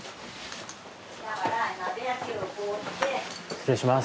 失礼します。